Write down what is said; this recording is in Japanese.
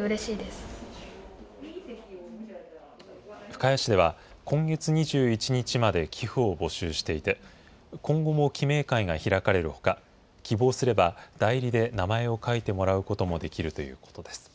深谷市では、今月２１日まで寄付を募集していて、今後も記名会が開かれるほか、希望すれば代理で名前を書いてもらうこともできるということです。